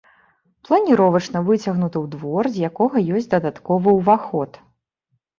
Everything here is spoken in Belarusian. Планіровачна выцягнуты ў двор, з якога ёсць дадатковы ўваход.